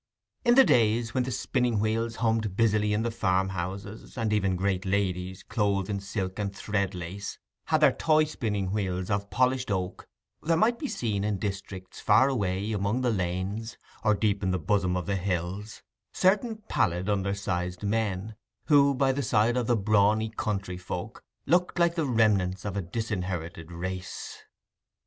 In the days when the spinning wheels hummed busily in the farmhouses—and even great ladies, clothed in silk and thread lace, had their toy spinning wheels of polished oak—there might be seen in districts far away among the lanes, or deep in the bosom of the hills, certain pallid undersized men, who, by the side of the brawny country folk, looked like the remnants of a disinherited race.